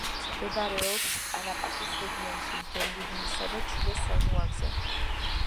მდებარეობს ტარაპაკის რეგიონში, ბოლივიისა და ჩილეს საზღვარზე.